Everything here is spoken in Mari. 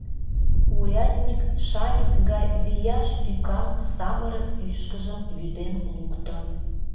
Урядник шаньык гай вияш тӱкан самырык ӱшкыжым вӱден лукто.